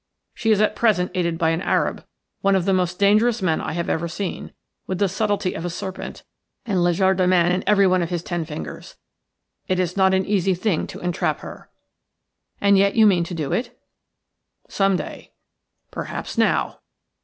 She is at present aided by an Arab, one of the most dangerous men I have ever seen, with the subtlety of a serpent, and legerdemain in every one of his ten fingers. It is not an easy thing to entrap her." "And yet you mean to do it?" "Some day – some day. Perhaps now."